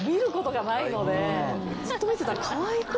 ずっと見てたら。